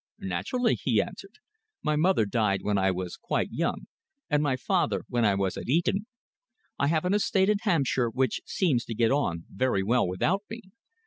"Naturally," he answered. "My mother died when I was quite young, and my father when I was at Eton. I have an estate in Hampshire which seems to get on very well without me."